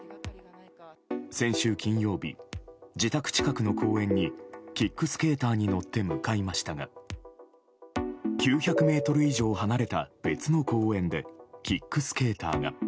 先週金曜日、自宅近くの公園にキックスケーターに乗って向かいましたが９００ｍ以上離れた別の公園でキックスケーターが。